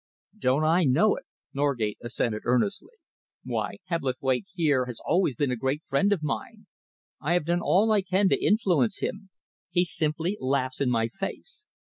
"Don't I know it!" Norgate assented earnestly. "Why, Hebblethwaite here has always been a great friend of mine. I have done all I can to influence him. He simply laughs in my face.